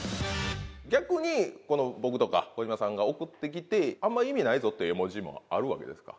逆に僕とか児嶋さんが送ってきてあんま意味ないぞって絵文字もあるわけですか？